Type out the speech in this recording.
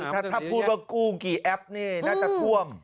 ถ้าพูดว่ากู้กี่แอปนี่น่าจะท่วม